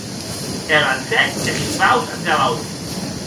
E lancèc es shivaus ath galaup.